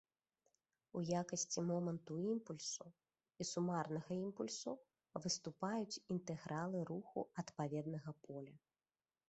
У якасці моманту імпульсу і сумарнага імпульсу выступаюць інтэгралы руху адпаведнага поля.